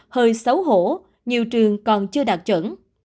hơi xấu hổ nhiều trường còn chưa đạt chẩn